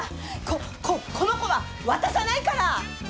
こ、こ、この子は渡さないから。